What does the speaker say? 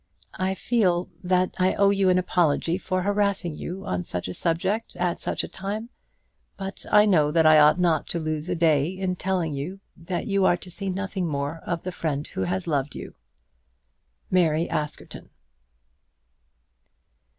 I feel that I owe you an apology for harassing you on such a subject at such a time; but I know that I ought not to lose a day in telling you that you are to see nothing more of the friend who has loved you. MARY ASKERTON.